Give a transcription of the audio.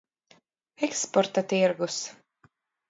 Eksporta tirgus.